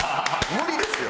無理ですよ。